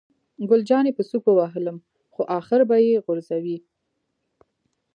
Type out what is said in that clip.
ګل جانې په سوک ووهلم، خو آخر به یې غورځوي.